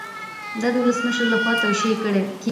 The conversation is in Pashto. دا د ولسمشر لخوا توشیح کیږي.